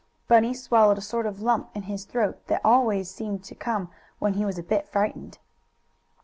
Bunny swallowed a sort of lump in his throat that always seemed to come when he was a bit frightened.